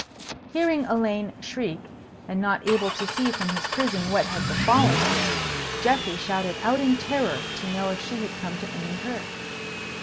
Hearing Elaine shriek, and not able to see from his prison what had befallen her, Geoffrey shouted out in terror to know if she had come to any hurt.